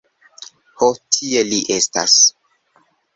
Ho tie li estas.